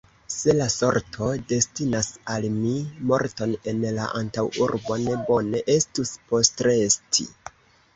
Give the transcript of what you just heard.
Se la sorto destinas al mi morton en la antaŭurbo, ne bone estus postresti.